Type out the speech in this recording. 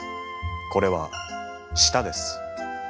これは舌です。